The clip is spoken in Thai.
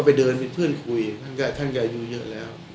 แต่ไม่อยู่เยอะแล้ว